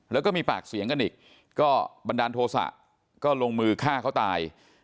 แล้วก็มีปากเสียงกันอีกก็บันดาลโทษะก็ลงมือฆ่าเขาตาย